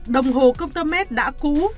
đồng hồ công tơ mét đã cũ